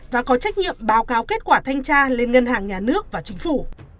và có trách nhiệm báo cáo kết quả thanh tra lên ngân hàng nhà nước và chính phủ